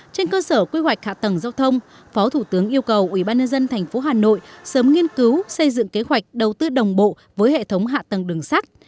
trên cơ sở quy hoạch hạ tầng giao thông phó thủ tướng yêu cầu ubnd tp hà nội sớm nghiên cứu xây dựng kế hoạch đầu tư đồng bộ với hệ thống hạ tầng đường sắt